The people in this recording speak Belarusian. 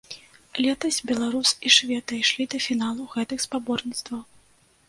Летась беларус і швед дайшлі да фіналу гэтых спаборніцтваў.